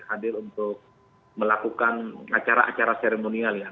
hadir untuk melakukan acara acara seremonial ya